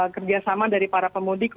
kerjasama dari para pemudik